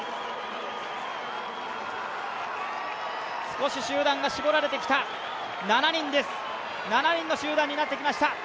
少し集団が絞られてきた７人の集団になってきました。